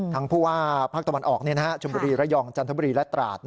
ผู้ว่าภาคตะวันออกชมบุรีระยองจันทบุรีและตราด